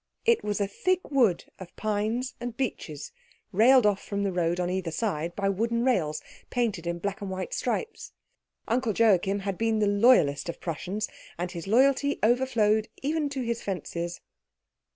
It was a thick wood of pines and beeches, railed off from the road on either side by wooden rails painted in black and white stripes. Uncle Joachim had been the loyalest of Prussians, and his loyalty overflowed even into his fences.